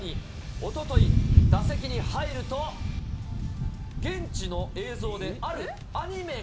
おととい、打席に入ると、現地の映像であるアニメが。